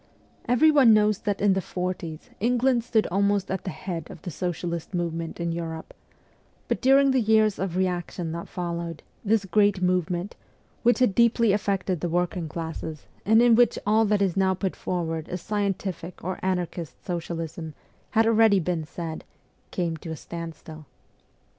Everyone knows that in the forties England stood almost at the head of the socialist movement in Europe ; but during the years of reaction that followed, this great movement, which had deeply affected the working classes, and in which all that is now put forward as scientific or anarchist socialism had already been said, came to a standstill.